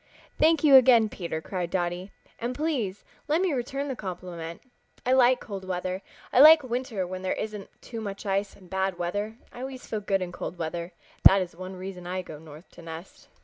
"Thank you again, Peter," cried Dotty, "and please let me return the compliment. I like cold weather. I like winter when there isn't too much ice and bad weather. I always feel good in cold weather. That is one reason I go north to nest."